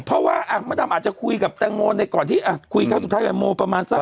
เพราะว่าอ่ะมะตำอาจจะคุยกับตังโมในก่อนที่อ่ะคุยเขาสุดท้ายกับโมประมาณสัก